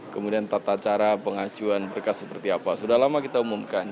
kemudian tata cara pengajuan berkas seperti apa sudah lama kita umumkan